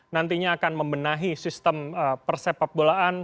nantinya akan membenahi sistem persepak bolaan